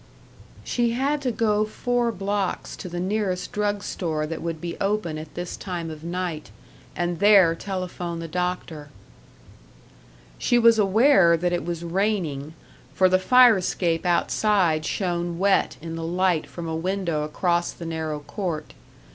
She had to go four blocks to the nearest drug store that would be open at this time of night, and there telephone the doctor. She was aware that it was raining, for the fire escape outside shone wet in the light from a window across the narrow court.